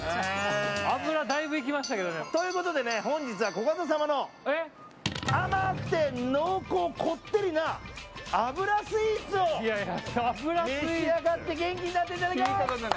脂、だいぶいきましたけど。ということで本日はコカド様に甘くて濃厚こってりな脂スイーツを召し上がって元気になっていただきます！